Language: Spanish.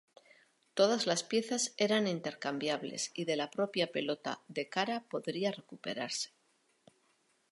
Todas las piezas eran intercambiables y de la propia pelota de cara podría recuperarse.